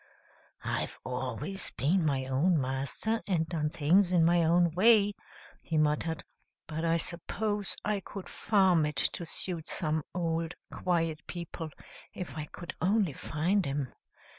"I've always been my own master, and done things in my own way," he muttered, "but I suppose I could farm it to suit some old, quiet people, if I could only find 'em.